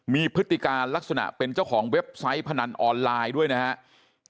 มีพฤติการลักษณะเป็นเจ้าของเว็บไซต์พนันออนไลน์ด้วยนะครับ